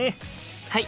はい！